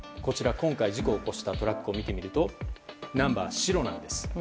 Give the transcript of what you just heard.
今回、事故を起こしたトラックを見てみるとナンバー、白なんです。